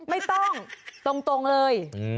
ไม่ต้องตรงเลย